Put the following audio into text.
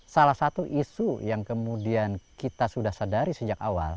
salah satu isu yang kemudian kita sudah sadari sejak awal